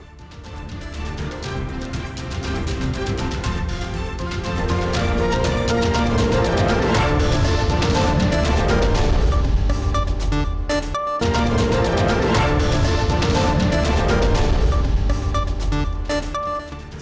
terima kasih pak